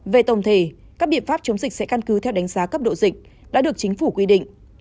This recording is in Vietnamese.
về tổng thể các biện pháp chống dịch sẽ căn cứ theo đánh giá cấp độ dịch đã được chính phủ quy định